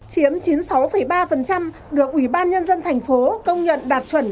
chiếm chín mươi sáu ba được ủy ban nhân dân thành phố công nhận đạt chuẩn